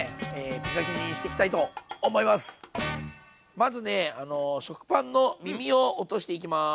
まずね食パンの耳を落としていきます。